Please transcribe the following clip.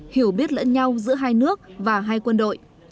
hiểu biết lẫn nhau giữa hai nước và hai quân đội